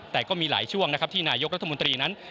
แต่ก็มีหลายช่วงนะครับที่นายกรัฐมนตรีนั้น